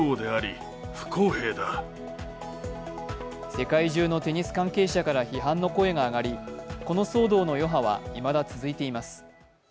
世界中のテニス関係者から批判の声が上がりこの騒動の余波はいまだ続いています。